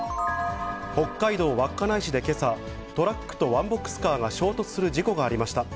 北海道稚内市でけさ、トラックとワンボックスカーが衝突する事故がありました。